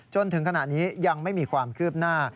จนถึงขณะนี้ยังไม่มีความคืบหน้า